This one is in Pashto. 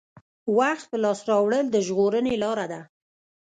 وخت په لاس راوړل د ژغورنې لاره ده.